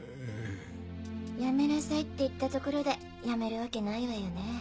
「やめなさい」って言ったところでやめるわけないわよね。